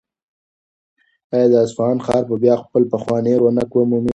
آیا د اصفهان ښار به بیا خپل پخوانی رونق ومومي؟